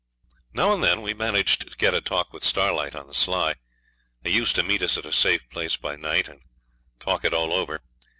Now and then we managed to get a talk with Starlight on the sly. He used to meet us at a safe place by night, and talk it all over.